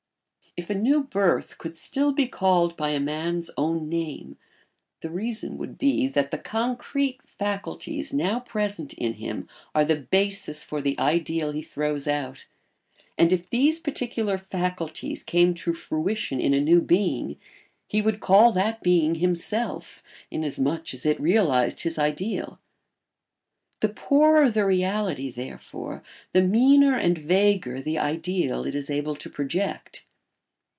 If a new birth could still be called by a man's own name, the reason would be that the concrete faculties now present in him are the basis for the ideal he throws out, and if these particular faculties came to fruition in a new being, he would call that being himself, inasmuch as it realised his ideal. The poorer the reality, therefore, the meaner and vaguer the ideal it is able to project.